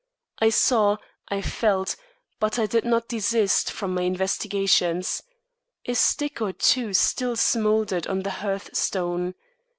I saw, I felt, but I did not desist from my investigations. A stick or two still smouldered on the hearthstone.